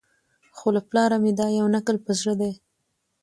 خو له پلاره مي دا یو نکل په زړه دی